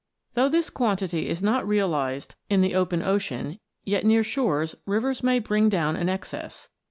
Though this quantity is not realised in the open n] THE LIMESTONES 17 ocean, yet near shores rivers may bring down an excess.